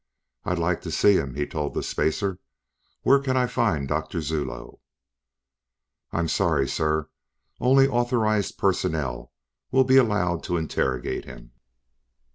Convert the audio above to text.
"I'd like to see him," he told the spacer. "Where can I find Doctor Zuloe?" "I'm sorry, sir. Only authorized personnel will be allowed to interrogate him."